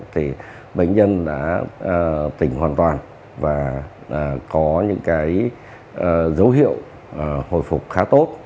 thì bệnh nhân đã tỉnh hoàn toàn và có những cái dấu hiệu hồi phục khá tốt